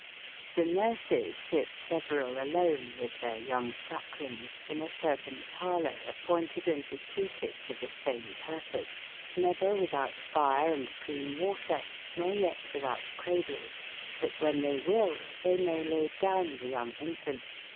F^S nurceis sitte severaU alone witb tbeyr younge suckelinges in a certain e parloure appointed and deputed to tbe same purpose, never witboute fire and cleane water, nor yet witbou t cradels, tbat wben tbey wy II tbey maye laye downe tbe younge infantes, S.